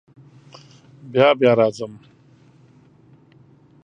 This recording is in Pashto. بیا بیا راځم.